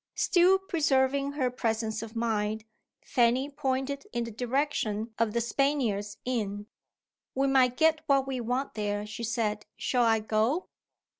Still preserving her presence of mind, Fanny pointed in the direction of "The Spaniards" inn. "We might get what we want there," she said. "Shall I go?"